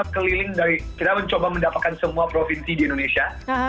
kita mencoba mendapatkan semua provinsi di indonesia